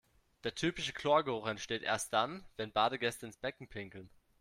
Der typische Chlorgeruch entsteht erst dann, wenn Badegäste ins Becken pinkeln.